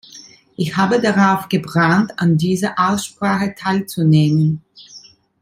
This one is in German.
Ich habe darauf gebrannt, an dieser Aussprache teilzunehmen.